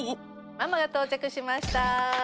ママが到着しました。